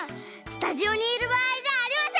スタジオにいるばあいじゃありません！